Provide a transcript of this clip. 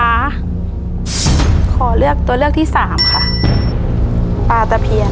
ตัวเลือกที่สามค่ะ